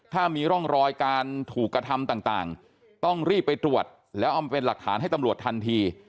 ถ้ามีร่องรอยการถูกกระทำต่างต้องรีบไปตรวจแล้วเอามาเป็นหลักฐานให้ตำรวจทันที